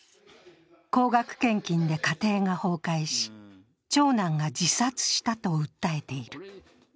高額献金で家庭が崩壊し長男が自殺したと訴えている。